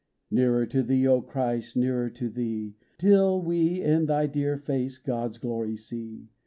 Nearer to Thee, O Christ, Nearer to Thee ! Till we in Thy dear face God's glory see